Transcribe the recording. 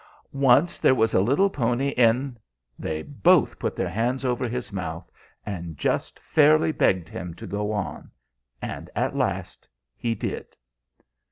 Once there was a little Pony En " They both put their hands over his mouth, and just fairly begged him to go on, and at last he did.